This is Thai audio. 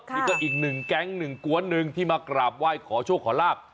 นี่ก็อีกหนึ่งแก๊งหนึ่งกวนหนึ่งที่มากราบไหว้ขอโชคขอลาบ